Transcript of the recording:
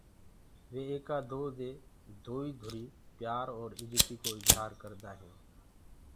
وي ايڪآ دو دي دوئيٚ ڌُري پيآر اور اِجتي ڪو اجهآر ڪردآ هين۔